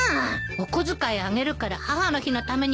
お小遣いあげるから母の日のために頑張りなさい！